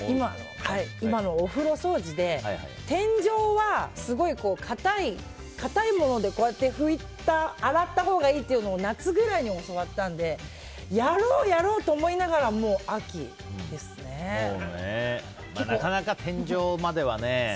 お風呂掃除は天井はすごいかたいもので拭いた、洗ったほうがいいっていうのを夏ぐらいに教わったのでやろうやろうと思いながらなかなか天井まではね。